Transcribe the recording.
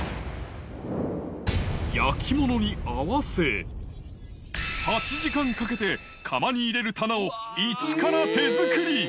焼き物に合わせ、８時間かけて窯に入れる棚を一から手作り。